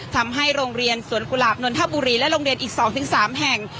ทำให้โรงเรียนสวนกุหลาบนนทบุรีและโรงเรียนอีก๒๓แห่ง